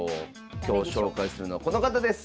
今日紹介するのはこの方です！